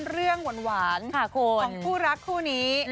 เรื่องหวานของคู่รักคู่นี้